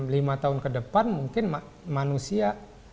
lima tahun ke depan mungkin manusia